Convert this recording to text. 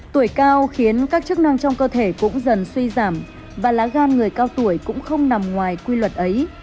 tuổi cao khiến các chức năng trong cơ thể cũng dần suy giảm và lá gan người cao tuổi cũng không nằm ngoài quy luật ấy